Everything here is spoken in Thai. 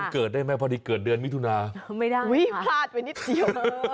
เกิดได้ไหมพอดีเกิดเดือนมิถุนาไม่ได้พลาดไปนิดเดียว